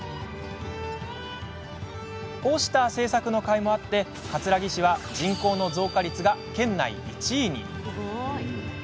こうした政策のかいもあり葛城市は人口の増加率が県内１位に。